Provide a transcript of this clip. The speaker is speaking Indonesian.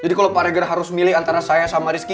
jadi kalau pak regar harus milih antara saya sama rizky